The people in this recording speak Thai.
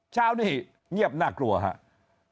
เช้านี้เงียบน่ากลัวครับ